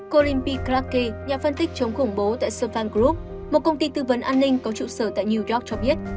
colin p clark nhà phân tích chống khủng bố tại sovang group một công ty tư vấn an ninh có trụ sở tại new york cho biết